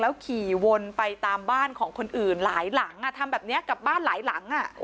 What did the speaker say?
ขี่วนไปตามบ้านของคนอื่นหลายหลังทำแบบนี้กับบ้านหลายหลัง